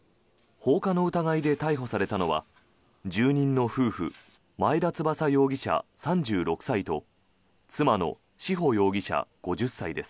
放火の疑いで逮捕されたのは住人の夫婦前田翼容疑者、３６歳と妻の志保容疑者、５０歳です。